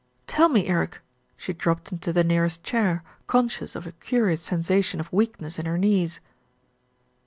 "Tell me, Eric." She dropped into the nearest chair, conscious of a curious sensation of weakness in her knees.